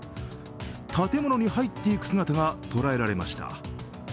建物に入っていく姿が捉えられました。